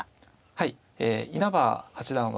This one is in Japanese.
はいえ稲葉八段は攻め